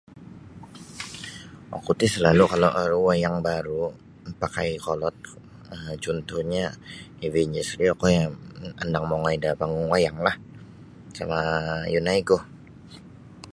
Oku ti selalu kalau aru AI yang baru mapakai kolod um cuntuhnyo Avengers ri ondong mongoi da panggung wayang sama yunaiku.